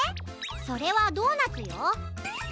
それはドーナツよ。